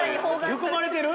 ◆含まれている！？